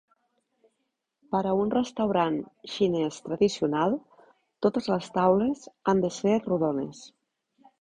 Per a un restaurant xinès tradicional, totes les taules han de ser rodones.